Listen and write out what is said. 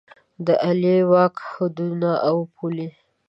د عالیه واک حدونه او پولې